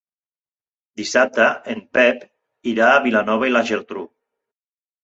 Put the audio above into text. Dissabte en Pep irà a Vilanova i la Geltrú.